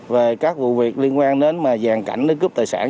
về các vụ việc liên quan đến mà dàn cảnh cướp tài sản